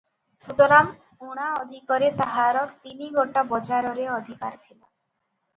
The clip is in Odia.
ସୁତରାଂ, ଉଣା ଅଧିକରେ ତାହାର ତିନି ଗୋଟା ବଜାରରେ ଅଧିକାର ଥିଲା